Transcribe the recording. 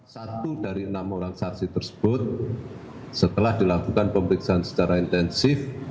satu dari enam orang saksi tersebut setelah dilakukan pemeriksaan secara intensif